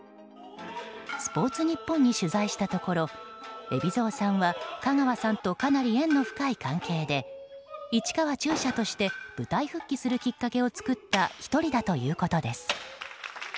スポーツニッポンに取材したところ海老蔵さんは香川さんとかなりの縁の深い関係で市川中車として舞台復帰するきっかけを作った１人だということです。